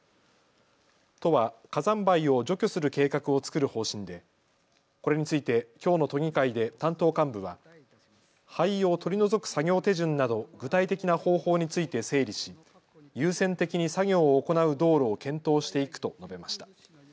都は火山灰を除去する計画を作る方針でこれについてきょうの都議会で担当幹部は灰を取り除く作業手順など具体的な方法について整理し優先的に作業を行う道路を検討していくと述べました。